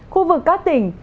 khu vực các tỉnh